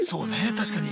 確かに。